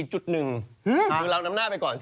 หื้อหรือเรานำหน้าไปก่อน๔๑